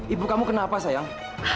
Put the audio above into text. ibu kamu kenapa sayang